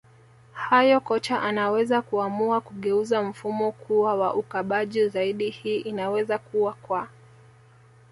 hayo kocha anaweza kuamua kugeuza mfumo kuwa wa ukabaji zaidi hii inaweza kua kwa